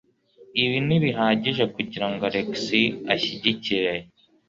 Ibi ntibihagije kugirango Alex ashyigikire?